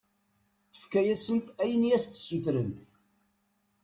Yefka-asent ayen i as-d-ssutrent.